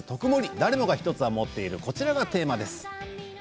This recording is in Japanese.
誰もが１つは持っているこちらがテーマです。